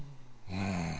うん。